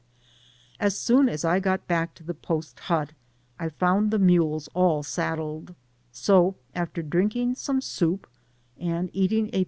As soon as I got back to the post hut I found the mules all saddled; so, after drinking some soup and eating p.